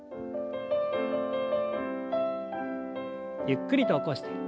ゆっくりと起こして。